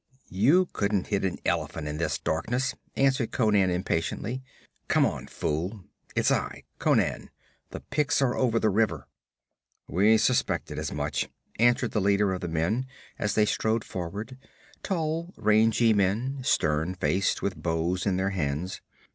'You couldn't hit an elephant in this darkness,' answered Conan impatiently. 'Come on, fool; it's I Conan. The Picts are over the river.' 'We suspected as much,' answered the leader of the men, as they strode forward tall, rangy men, stern faced, with bows in their hands.